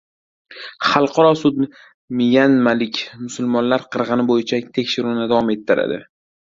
Xalqaro sud myanmalik musulmonlar qirg‘ini bo‘yicha tekshiruvni davom ettiradi